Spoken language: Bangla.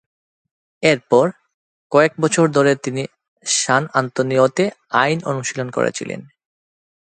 এরপর, কয়েক বছর ধরে তিনি সান আন্তোনিওতে আইন অনুশীলন করেছিলেন।